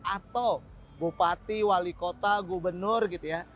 atau bupati wali kota gubernur gitu ya